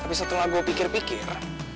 tapi satu lagu yang gue pikir pikir